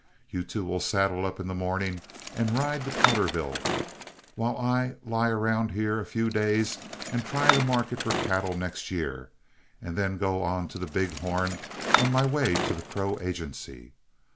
You two will saddle up in the morning and ride to Powderville, while I will lie around here a few days and try the market for cattle next year, and then go on to Big Horn on my way to the Crow Agency.